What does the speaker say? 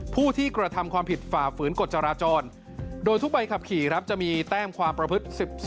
ผู้ที่กระทำความผิดฝ่าฝืนกฎจราจรโดยทุกใบขับขี่ครับจะมีแต้มความประพฤติ๑๒